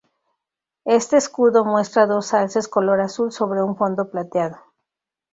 Este escudo muestra dos alces color azul sobre un fondo plateado.